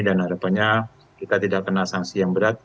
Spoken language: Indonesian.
dan harapannya kita tidak kena sangsi yang berat